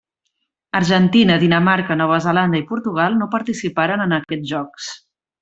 Argentina, Dinamarca, Nova Zelanda i Portugal no participaren en aquests Jocs.